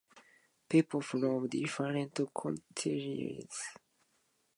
People from different countries visit Sochi for its beautiful beaches, mountains, and renowned resorts.